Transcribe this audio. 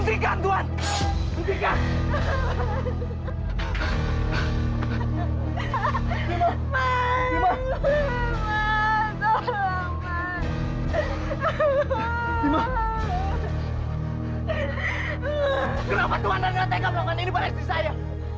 kenapa tuhan enggak tega berangkat ini pada istri saya